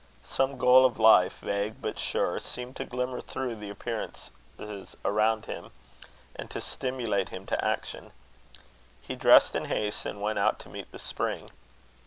Some goal of life, vague but sure, seemed to glimmer through the appearances around him, and to stimulate him to action. Be dressed in haste, and went out to meet the Spring.